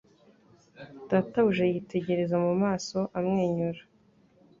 databuja yitegereza mu maso amwenyura